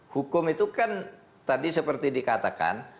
hukum itu kan tadi seperti dikatakan